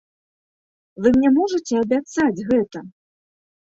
Вы мне можаце абяцаць гэта?